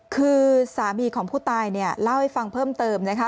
คือสามีของผู้ตายเนี่ยเล่าให้ฟังเพิ่มเติมนะคะ